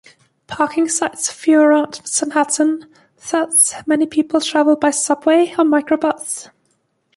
Parking sites are few around Sanhattan, thus many people travel by subway or microbus.